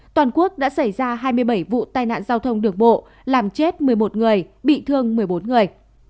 toàn quốc đã xảy ra hai mươi bảy vụ tai nạn giao thông đường bộ làm chết một mươi một người bị thương một mươi bốn người